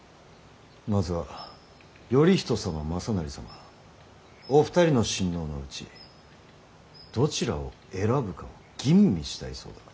まずは頼仁様雅成様お二人の親王のうちどちらを選ぶかを吟味したいそうだ。